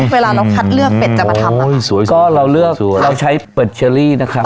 เวลาเราคัดเลือกเป็ดจะมาทำอุ้ยสวยก็เราเลือกสวยเราใช้เป็ดเชอรี่นะครับ